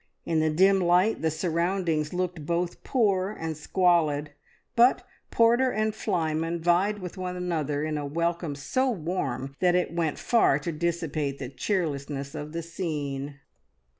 In the dim light the surroundings looked both poor and squalid, but porter and flyman vied with one another in a welcome so warm that it went far to dissipate the cheerlessness of the scene.